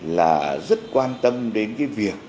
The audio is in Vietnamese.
là rất quan tâm đến cái việc